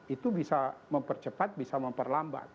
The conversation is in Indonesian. itu bisa mempercepat bisa memperlambat